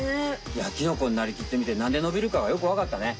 いやキノコになりきってみてなんでのびるかがよくわかったね。